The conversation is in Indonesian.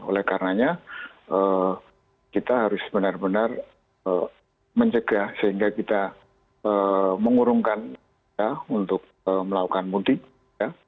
oleh karenanya kita harus benar benar mencegah sehingga kita mengurungkan kita untuk melakukan mudik ya